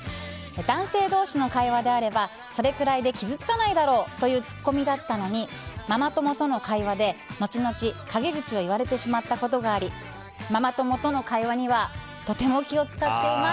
男性同士の会話であればそれくらいで傷つかないだろうというツッコミだったのにママ友との会話で後々陰口を言われてしまったことがありママ友との会話にはとても気を使っています。